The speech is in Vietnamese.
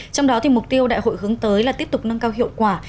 trong đó mục tiêu đại hội hướng tới là tiếp tục nâng cao hiệu quả